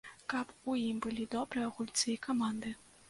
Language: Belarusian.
Каб у ім былі добрыя гульцы і каманды.